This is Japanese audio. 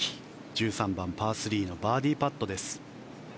１３番、パー３のバーディーパットです。